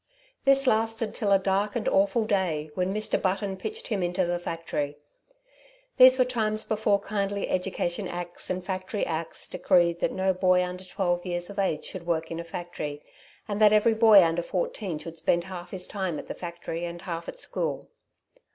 This lasted till a dark and awful day when Mr. Button pitched him into the factory. These were times before kindly Education Acts and Factory Acts decreed that no boy under twelve years of age should work in a factory, and that every boy under fourteen should spend half his time at the factory and half at school.